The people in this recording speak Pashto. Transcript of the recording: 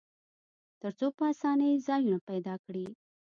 تر څو په آسانۍ ځایونه پیدا کړي.